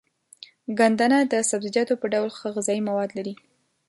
ګندنه د سبزيجاتو په ډول ښه غذايي مواد لري.